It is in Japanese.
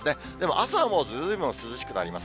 朝はもう、ずいぶん涼しくなります。